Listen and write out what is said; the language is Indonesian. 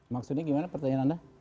maksudnya gimana pertanyaan anda